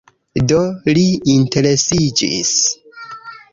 Do, li interesiĝis